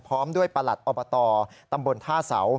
พร้อมด้วยประหลัดอบตตทส